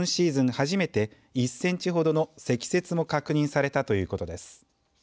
初めて１センチほどの積雪も確認されたということです。